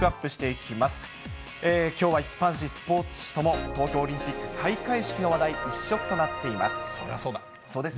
きょうは一般紙、スポーツ紙とも東京オリンピック開会式の話題一色となっています。